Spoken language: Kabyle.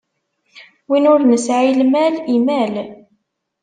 Win ur nesɛi lmal, imal.